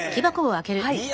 はい。